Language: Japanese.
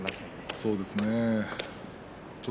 そうですね。